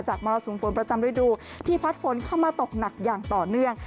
มรสุมฝนประจำฤดูที่พัดฝนเข้ามาตกหนักอย่างต่อเนื่อง